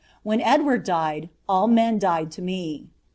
Whoa Edward died, all ncs died to me."